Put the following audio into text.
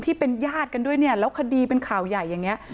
ที่เป็นญาติกันด้วยเนี่ยแล้วคดีเป็นข่าวใหญ่อย่างนี้